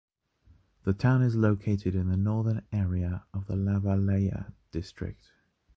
The town is located in the Northern area of the Lavalleja district.